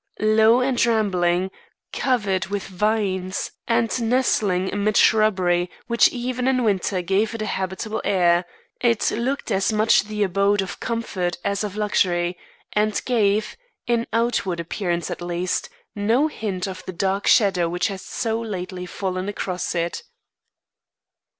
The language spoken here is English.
Low and rambling, covered with vines, and nestling amid shrubbery which even in winter gave it a habitable air, it looked as much the abode of comfort as of luxury, and gave in outward appearance at least no hint of the dark shadow which had so lately fallen across it.